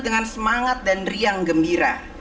dengan semangat dan riang gembira